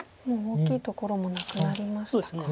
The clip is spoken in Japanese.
もう大きいところもなくなりましたか。